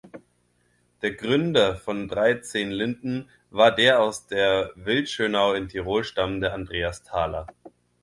Der Gründer von Dreizehnlinden war der aus der Wildschönau in Tirol stammende Andreas Thaler.